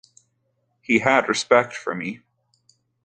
He had respect for me.